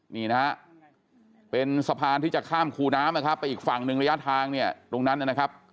นี่นะฮะเป็นสะพานที่จะข้ามคูน้ำนะครับไปอีกฝั่งหนึ่งระยะทางเนี่ยตรงนั้นนะครับ